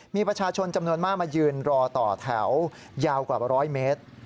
มีประชาชนจำนวนมากมายืนรอต่อแถวยาวกว่า๑๐๐เมตร